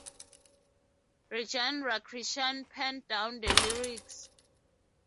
Rajendra Krishan penned down the lyrics.